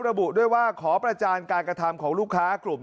ระบุด้วยว่าขอประจานการกระทำของลูกค้ากลุ่ม